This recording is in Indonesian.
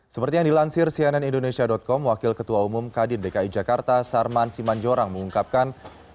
seperti yang dilansir cnn indonesia com wakil ketua umum kadin dki jakarta sarman simanjorang mengungkapkan